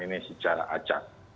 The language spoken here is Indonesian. ini secara acak